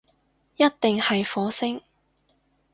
一定係火星